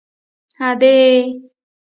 _ادې!!!